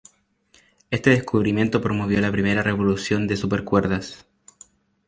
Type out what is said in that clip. Este descubrimiento promovió la primera revolución de supercuerdas.